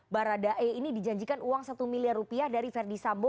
baradae ini dijanjikan uang satu miliar rupiah dari verdi sambo